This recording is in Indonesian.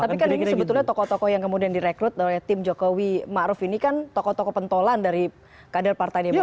tapi kan ini sebetulnya tokoh tokoh yang kemudian direkrut oleh tim jokowi ⁇ maruf ⁇ ini kan tokoh tokoh pentolan dari kader partai demokrat